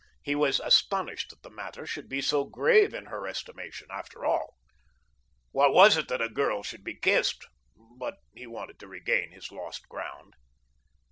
He was astonished that the matter should be so grave in her estimation. After all, what was it that a girl should be kissed? But he wanted to regain his lost ground.